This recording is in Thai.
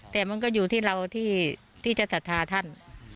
แต่มันก็อยู่ที่เราที่จะศรัทธาท่าน